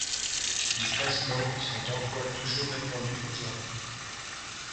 Les Caslon sont d'emploi toujours répandu aujourd'hui.